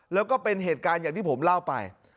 แล้วก็เป็นเหตุการณ์อย่างที่ผมเล่าไป